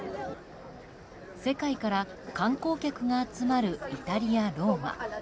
世界から観光客が集まるイタリア・ローマ。